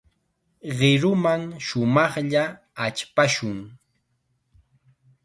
Qiruman shumaqlla achpashun.